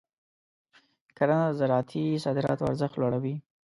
کرنه د زراعتي صادراتو ارزښت لوړوي.